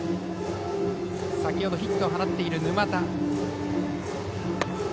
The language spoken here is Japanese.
先ほどヒットを放っている沼田。